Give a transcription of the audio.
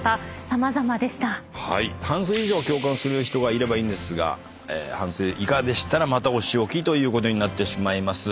半数以上共感する人がいればいいんですが半数以下でしたらまたお仕置きということになってしまいます。